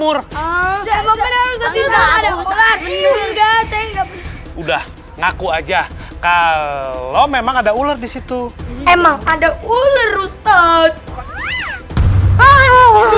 udah ngaku aja kalau memang ada ular di situ emang ada ular ustadz